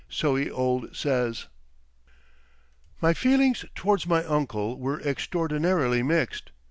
So he old says." My feelings towards my uncle were extraordinarily mixed.